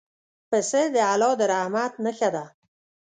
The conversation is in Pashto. پسه د الله د رحمت نښه ده.